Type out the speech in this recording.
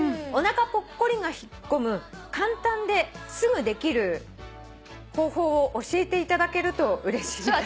「おなかぽっこりが引っ込む簡単ですぐできる方法を教えていただけるとうれしい」